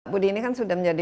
budi ini kan sudah menjadi